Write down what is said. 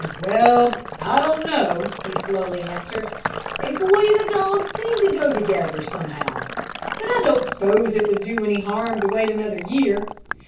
"Hum! Well, I don't know," he slowly answered. "A boy and a dog seem to go together, somehow. But I don't s'pose it would do any harm to wait another year.